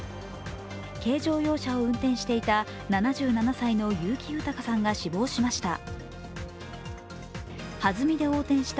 軽乗用車を運転していた７７歳の結城豊さんが死亡しました。